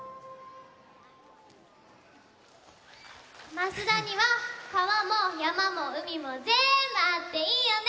益田にはかわもやまもうみもぜんぶあっていいよね！